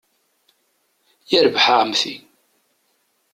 Yarbaḥ a Ɛemti.